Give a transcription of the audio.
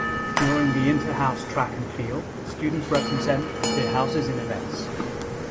During the Inter-House Track and Field, students represent their houses in events.